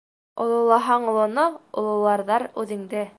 Ололаһаң олоно, ололарҙар үҙеңде.